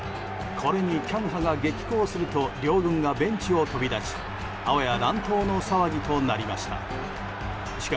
これに、キャンハが激高すると両軍がベンチを飛び出しあわや乱闘の騒ぎとなりました。